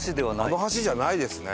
あの橋じゃないですね。